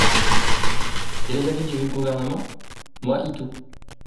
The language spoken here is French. Quel est l’avis du Gouvernement ? Moi itou.